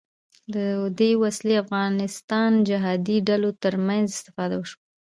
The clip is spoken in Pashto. له دې وسلې افغانستان جهادي ډلو تر منځ استفاده وشوه